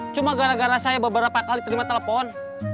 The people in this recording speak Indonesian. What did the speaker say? cuma gara gara saya beberapa kali terima telepon